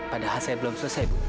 padahal saya belum selesai bu